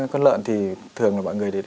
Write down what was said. con lợn thì thường là mọi người